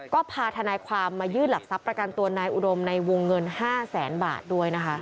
ก็พาทนายความมายื่นหลักทรัพย์ประกันตัวนายอุดมในวงเงิน๕แสนบาทด้วยนะคะ